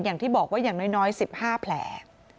อย่างที่บอกว่าอย่างน้อย๑๕แผล